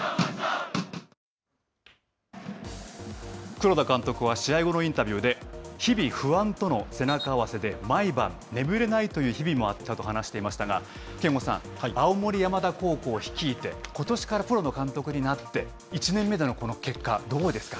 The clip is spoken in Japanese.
黒田監督は、試合後のインタビューで、日々不安との背中合わせで、毎晩眠れないという日々もあったと話していましたが、憲剛さん、青森山田高校を率いて、ことしからプロの監督になって、１年目でのこの結果、どうですか。